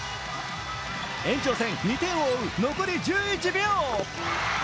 延長戦、２点を追う残り１１秒。